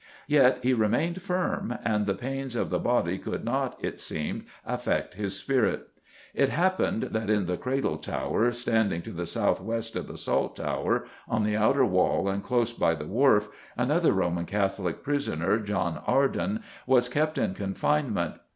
Yet he remained firm, and the pains of the body could not, it seemed, affect his spirit. It happened that in the Cradle Tower, standing to the south west of the Salt Tower, on the outer wall and close by the Wharf, another Roman Catholic prisoner, John Arden, was kept in confinement.